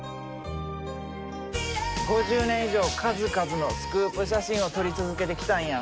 ５０年以上数々のスクープ写真を撮り続けてきたんや。